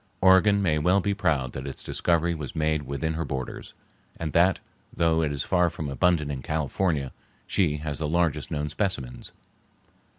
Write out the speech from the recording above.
Oregon may well be proud that its discovery was made within her borders, and that, though it is far more abundant in California, she has the largest known specimens.